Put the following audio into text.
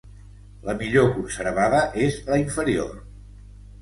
La millor conservada és la inferior.